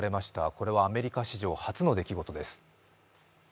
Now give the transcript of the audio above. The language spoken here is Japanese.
これはアメリカ史上初の出来事です。